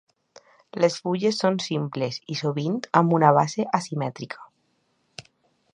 Les fulles són simples i sovint amb una base asimètrica.